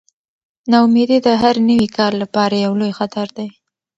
ناامیدي د هر نوي کار لپاره یو لوی خطر دی.